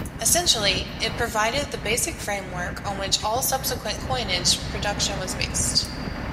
Essentially, it provided the basic framework on which all subsequent coinage production was based.